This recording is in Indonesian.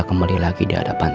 kamu suka banget makan rawon